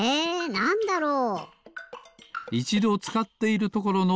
なんだろう？